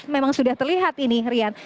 memang sudah terlihat ini rian